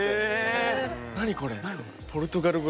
え⁉何これ？